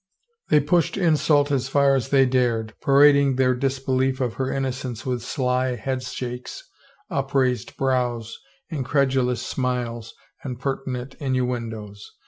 They pushed insult as far as they dared, parading their disbelief of her innocence with sly headshakes, up raised brows, incredulous smiles and pertinent innuen does.